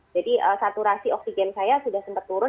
jadi saturasi oksigen saya sudah sempat turun